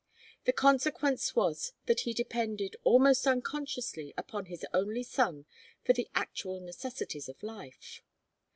The consequence was that he depended, almost unconsciously, upon his only son for the actual necessities of life.